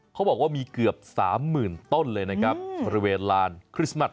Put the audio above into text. เขาบอกว่ามีเกือบ๓๐๐๐๐ต้นประเวลาคริสต์มัส